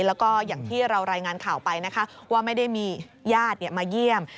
แล้วก็อย่างที่เรารายงานข่าวไปนะคะว่าไม่ได้มีญาติมาเยี่ยม